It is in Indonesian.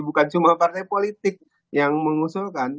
bukan cuma partai politik yang mengusulkan